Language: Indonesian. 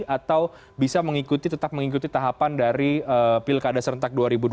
atau bisa mengikuti tetap mengikuti tahapan dari pilkada serentak dua ribu dua puluh